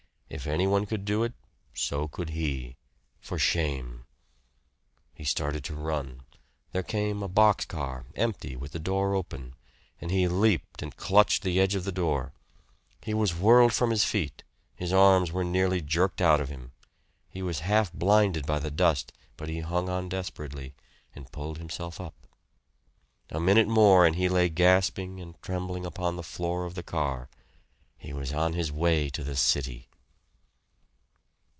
If anyone could do it, so could he. For shame. He started to run. There came a box car, empty, with the door open, and he leaped and clutched the edge of the door. He was whirled from his feet, his arms were nearly jerked out of him. He was half blinded by the dust, but he hung on desperately, and pulled himself up. A minute more and he lay gasping and trembling upon the floor of the car. He was on his way to the city.